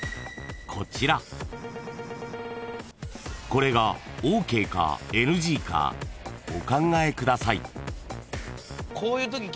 ［これがＯＫかＮＧかお考えください］